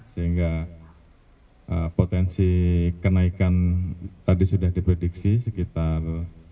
sehingga potensi kenaikan tadi sudah diprediksi sekitar